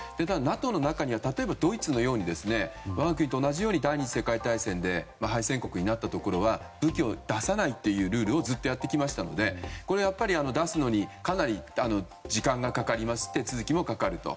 ただ、ＮＡＴＯの中には例えばドイツのように我が国と同じように第２次世界大戦で敗戦国になったところは武器を出さないというルールをずっとやってきたので出すのに時間がかかる手続きもかかると。